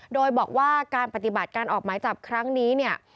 โดยบอกว่าการปฏิบัติการออกหมายจับครั้งนี้เนี่ย